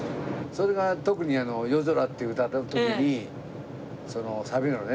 それが特にあの『夜空』っていう歌の時にそのサビのね。